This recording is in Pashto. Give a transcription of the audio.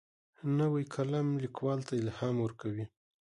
نوی قلم لیکوال ته الهام ورکوي